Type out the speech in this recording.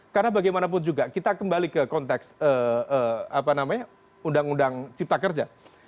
karena bagaimanapun juga kita kembali ke konteks undang undang cipta kerja